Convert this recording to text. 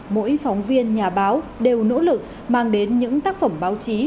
mỗi phóng viên nhà báo đều nỗ lực mang đến những tác phẩm báo chí